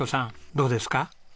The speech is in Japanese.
どうですか？